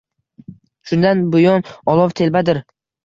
Shundan buyon olov telbadir